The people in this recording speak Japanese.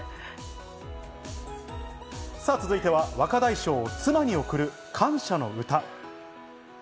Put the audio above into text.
続いては若大将、妻に贈る感謝の歌。